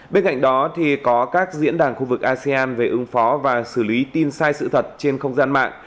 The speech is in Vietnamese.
bên cạnh đó có các diễn đàn khu vực asean về ứng phó và xử lý tin sai sự thật trên không gian mạng